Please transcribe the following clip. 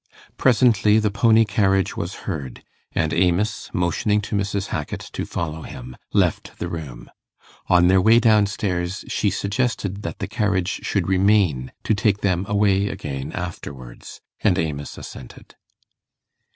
Presently the pony carriage was heard; and Amos, motioning to Mrs. Hackit to follow him, left the room. On their way down stairs, she suggested that the carriage should remain to take them away again afterwards, and Amos assented.